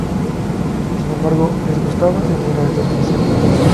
Sin embargo, les gustaba tener a esta especie como mascota.